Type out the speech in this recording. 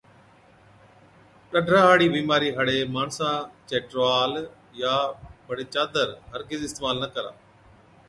ڏَدرا هاڙِي بِيمارِي هاڙي ماڻسا چَي ٽروال يان بڙي چادر هر گز اِستعمال نہ ڪرا۔